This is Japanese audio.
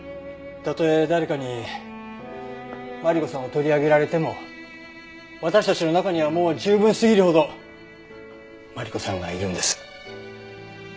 たとえ誰かにマリコさんを取り上げられても私たちの中にはもう十分すぎるほどマリコさんがいるんです。